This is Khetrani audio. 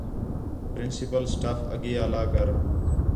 پرنسپل سٹاف اگے آلا کر